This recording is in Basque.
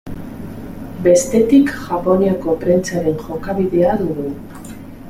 Bestetik, Japoniako prentsaren jokabidea dugu.